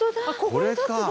これか。